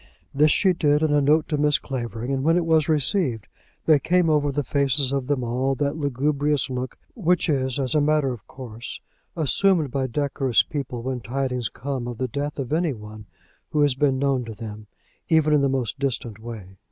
This she did in a note to Mrs. Clavering; and when it was received, there came over the faces of them all that lugubrious look, which is, as a matter of course, assumed by decorous people when tidings come of the death of any one who has been known to them, even in the most distant way.